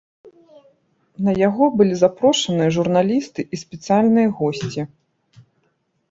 На яго былі запрошаныя журналісты і спецыяльныя госці.